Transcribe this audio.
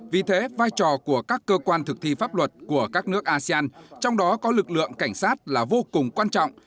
vì thế vai trò của các cơ quan thực thi pháp luật của các nước asean trong đó có lực lượng cảnh sát là vô cùng quan trọng